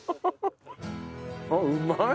あっうまい！